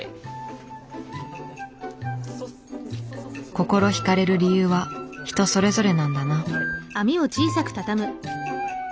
心ひかれる理由は人それぞれなんだな。